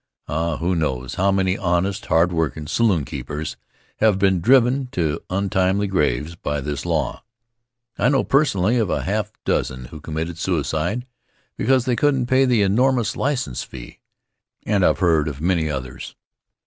Ah, who knows how many honest, hard workin' saloonkeepers have been driven to untimely graves by this law! I know personally of a half dozen who committed suicide because they couldn't pay the enormous license fee, and I have heard of many others.